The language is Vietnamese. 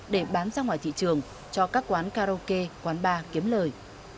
để bán ra ngoài thị trường cho các quán karaoke quán bar kiếm lời